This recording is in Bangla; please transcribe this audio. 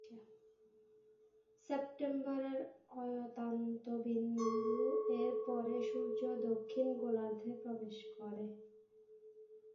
সেপ্টেম্বরের অয়তান্ত-বিন্দু এর পরে সূর্য দক্ষিণ গোলার্ধে প্রবেশ করে।